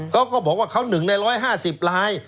เขาก็บอกว่าเขาหนึ่งใน๑๕๐ล้าน